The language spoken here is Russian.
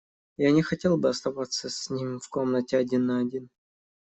Я не хотел бы остаться с ним в комнате один на один.